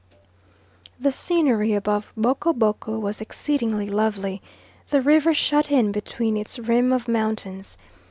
The scenery above Boko Boko was exceedingly lovely, the river shut in between its rim of mountains.